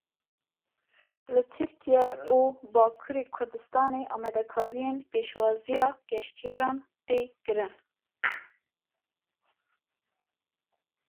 Li Tirkiye û Bakurê Kurdistanê amadekariyên pêşwaziya geştiyaran tê kirin.